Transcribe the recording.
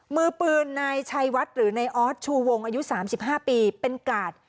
มือปืนนายชัยวัดหรือนายออสชูวงอายุ๓๕ปีเป็นกาด